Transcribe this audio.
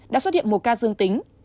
đã xuất hiện một ca dương tính